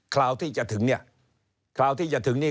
คราวที่จะถึงนี่